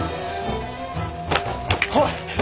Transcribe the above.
おい！